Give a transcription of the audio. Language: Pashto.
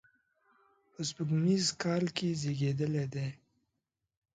په سپوږمیز کال کې زیږېدلی دی.